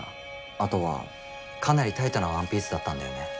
あとはかなりタイトなワンピースだったんだよね。